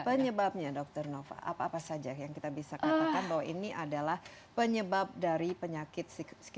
penyebabnya dr nova apa saja yang bisa kita katakan bahwa ini adalah penyebab dari penyakit psikologi